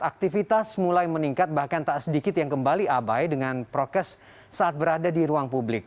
aktivitas mulai meningkat bahkan tak sedikit yang kembali abai dengan prokes saat berada di ruang publik